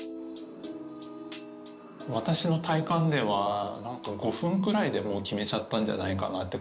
私の体感では何か５分くらいでもう決めちゃったんじゃないかなって。